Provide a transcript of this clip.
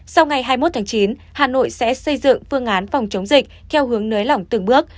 sau ngày hai mươi một tháng chín hà nội sẽ xây dựng phương án phòng chống dịch theo hướng nới lỏng từng bước